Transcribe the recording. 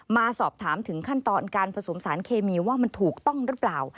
มาสอบถามถึงขั้นตอนการผสมสารเคมีว่ามันถูกต้องหรือเปล่า